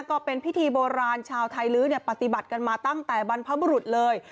ก็เป็นพิธีโบราณชาวไทยลื้อปฏิบัติกันมาตั้งแต่บรรพบุรุษเลย